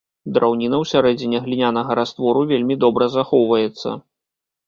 Драўніна ўсярэдзіне глінянага раствору вельмі добра захоўваецца.